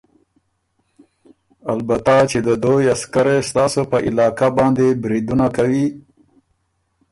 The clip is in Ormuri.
البته چې د دویٛ عسکرې ستاسو په علاقه باندې بریدونه کوی